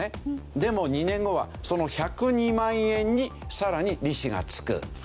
でも２年後はその１０２万円にさらに利子が付く。